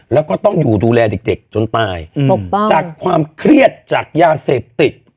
แล้วก็ต้องอยู่ดูแลเด็กจนตายจากความเครียดจากยาเสพติด